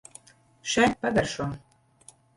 Še, pagaršo!